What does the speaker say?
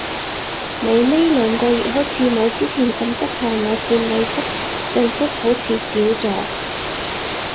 你呢兩個月好似冇之前咁得閒？我見你覆訊息好似少咗